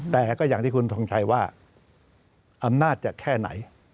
แต่ก็อย่างที่คุณทงชัยว่าอำนาจจะแค่ไหน